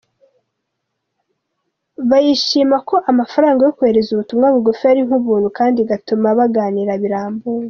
Bayishima ko amafaranga yo kohereza ubutumwa bugufi ari nk’ubuntu, kandi igatuma baganira birambuye.